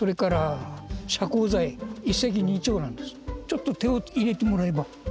ちょっと手を入れてもらえば。